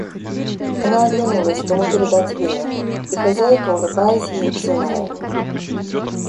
Она оглянулась, кому передать веер, и хозяйка, улыбаясь ей, взяла его.